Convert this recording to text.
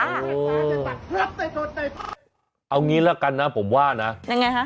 เอางี้ละกันนะผมว่านะยังไงฮะ